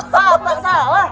pak pak salah